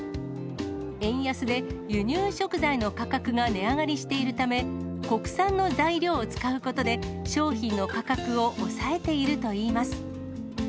円安で輸入食材の価格が値上がりしているため、国産の材料を使うことで商品の価格を抑えているといいます。